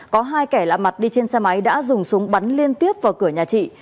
có hai kẻ lạ mặt đi trên xe máy đã dùng súng bắn liên tiếp vào cửa nhà chị